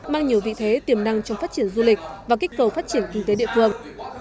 mang nhiều vị thế tiềm năng trong phát triển du lịch và kích cầu phát triển kinh tế địa phương